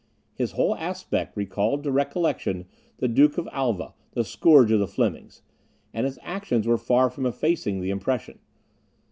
His whole aspect recalled to recollection the Duke of Alva, the scourge of the Flemings, and his actions were far from effacing the impression.